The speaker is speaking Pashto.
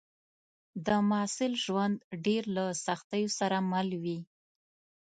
د محصل ژوند ډېر له سختیو سره مل وي